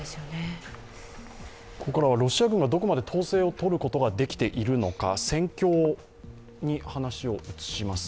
ここからはロシア軍がどこまで統制をとることができているのか、戦況に話を移します。